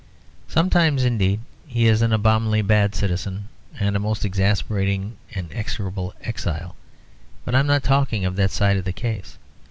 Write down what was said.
Sometimes indeed he is an abominably bad citizen, and a most exasperating and execrable exile, but I am not talking of that side of the case.